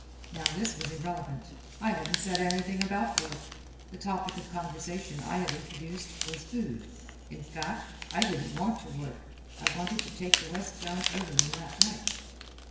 Now this was irrelevant. I hadn't said anything about work. The topic of conversation I had introduced was "food." In fact, I didn't want to work. I wanted to take the westbound overland that night.